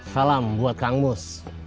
salam buat kang mus